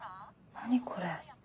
何これ。